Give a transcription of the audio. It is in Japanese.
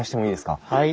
はい。